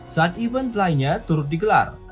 saat event lainnya turut digelar